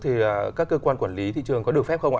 thì các cơ quan quản lý thị trường có được phép không ạ